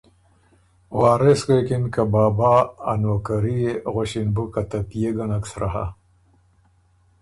وارث غوېکِن که بابا! ا نوکري يې، غؤݭِن بُو، که ته پئے ګه نک سرۀ هۀ